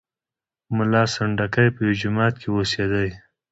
ملا سنډکی په یوه جومات کې اوسېدی.